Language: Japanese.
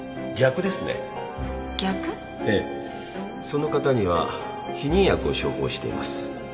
その方には避妊薬を処方しています